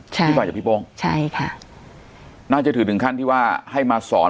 ใช่ที่มาจากพี่โป้งใช่ค่ะน่าจะถือถึงขั้นที่ว่าให้มาสอน